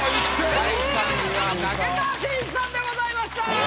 第３位は武田真一さんでございました。